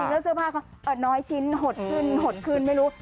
แล้วเสื้อผ้าเขาน้อยชิ้นหดขึ้นหดขึ้นไม่รู้